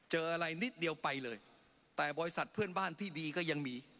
เจออะไรนิดเดียวไปเลยแต่บริษัทเพื่อนบ้านที่ดีก็ยังมี